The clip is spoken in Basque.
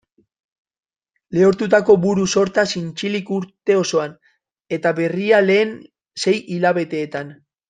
Lehortutako buru-sorta zintzilik urte osoan, eta berria lehen sei hilabeteetan.